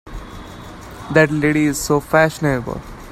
That lady is so fashionable!